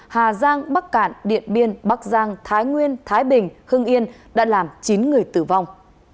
hà giang bắc cạn điện biên bắc giang thái nguyên thái bình hưng yên đã làm chín người tử vong